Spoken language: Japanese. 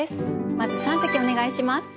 まず三席お願いします。